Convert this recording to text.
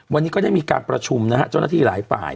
วันนี้ก็ได้มีการประชุมนะฮะเจ้าหน้าที่หลายฝ่าย